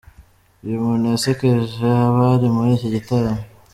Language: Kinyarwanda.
Uyu muntu yasekeje abari muri iki gitaramo.